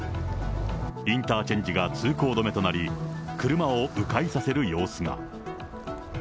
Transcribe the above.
インターチェンジが通行止めとなり、車をう回させる様子が。